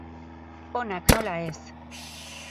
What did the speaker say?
Onak, nola ez!